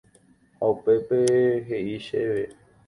ha upépe he'i chéve